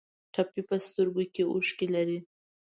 ټپي په سترګو کې اوښکې لري.